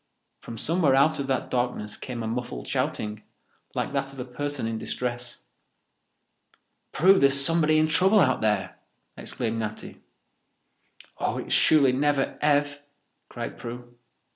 From somewhere out of that darkness came a muffled shouting, like that of a person in distress. "Prue, there's somebody in trouble out there!" exclaimed Natty. "Oh, it's surely never Ev!" cried Prue.